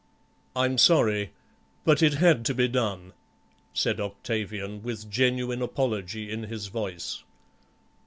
"I'm sorry, but it had to be done," said Octavian, with genuine apology in his voice.